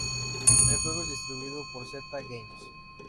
El juego es distribuido por Zeta Games.